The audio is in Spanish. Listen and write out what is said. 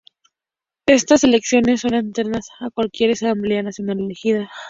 Estas elecciones son anteriores a cualquier asamblea nacional elegida.